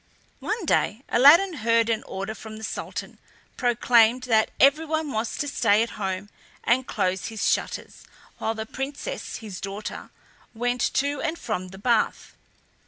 One day Aladdin heard an order from the Sultan proclaimed that everyone was to stay at home and close his shutters while the Princess his daughter went to and from the bath.